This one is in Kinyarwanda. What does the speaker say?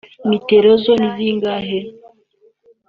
meterozo ni zingahe